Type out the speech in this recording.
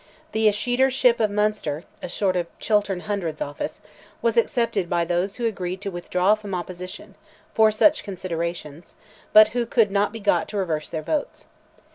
The "Escheatorship of Munster"—a sort of Chiltern Hundreds office—was accepted by those who agreed to withdraw from opposition, for such considerations, but who could not be got to reverse their votes.